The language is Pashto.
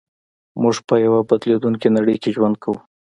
موږ په يوه بدلېدونکې نړۍ کې ژوند کوو.